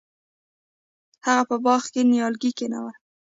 هغه په باغ کې نیالګي کینول.